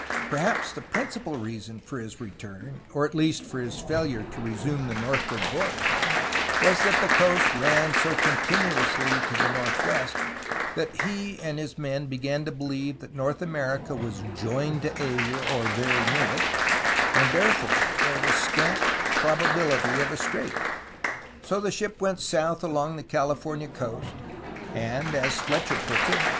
Perhaps the principal reason for his return, or at least for his failure to resume the northward voyage, was that the coast ran so continuously to the northwest that he and his men began to believe that North America was ''ioyned" to Asia or "very neere" it, and therefore there was scant probability of a strait. So the ship went south along the California coast, and, as Fletcher puts it.